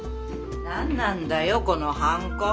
何なんだよこのハンコ。